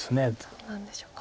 どうなんでしょうか。